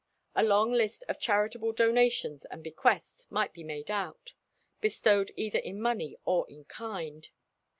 A long list of charitable donations and bequests might be made out, bestowed either in money or in kind.